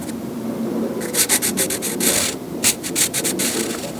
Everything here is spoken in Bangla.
এখন তোমাদের মনে সবচেয়ে সুন্দর স্বপ্নগুলো আঁকো জীবনে যেখানে তোমরা পৌঁছাতে চাও।